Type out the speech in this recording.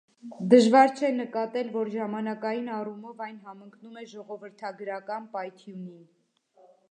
Դժվար չէ նկատել, որ ժամանակային առումով այն համընկնում է ժողովրդագրական պայթյունին։